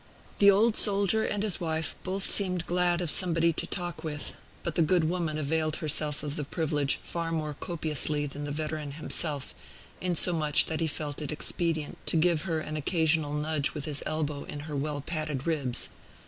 The old soldier and his wife both seemed glad of somebody to talk with; but the good woman availed herself of the privilege far more copiously than the veteran himself, insomuch that he felt it expedient to give her an occasional nudge with his elbow in her well padded ribs.